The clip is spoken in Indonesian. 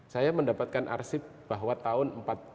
saya mendapatkan arsip bahwa tahun empat puluh lima